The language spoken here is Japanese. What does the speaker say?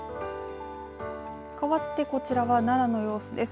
かわってこちらは奈良の様子です。